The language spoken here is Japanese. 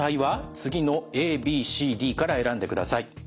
次のＡＢＣＤから選んでください。